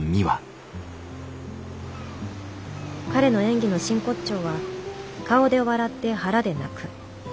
彼の演技の真骨頂は「顔で笑って腹で泣く」。